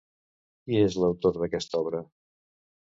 Qui és l'autor d'aquesta obra?